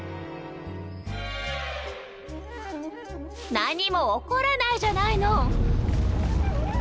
何も起こらないじゃないの！